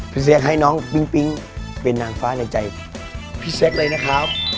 พิเศษให้น้องปิงปิงเป็นนางฟ้าในใจพิเศษเลยนะครับ